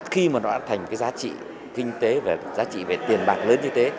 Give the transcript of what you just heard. khi mà nó đã thành cái giá trị kinh tế và giá trị về tiền bạc lớn như thế